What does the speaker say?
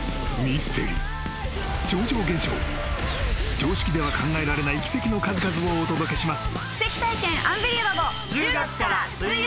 ［常識では考えられない奇跡の数々をお届けします］